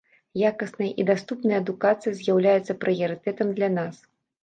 Якасная і даступная адукацыя з'яўляецца прыярытэтам для нас.